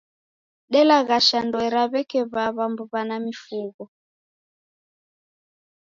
Delaghasha ndoe ra w'eke w'aw'a, mbuw'a na mifugho.